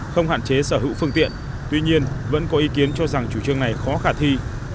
không hạn chế sở hữu phương tiện tuy nhiên vẫn có ý kiến cho rằng chủ trương này khó khả thi